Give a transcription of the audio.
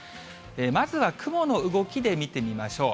まずは雲の動きで見てみましょう。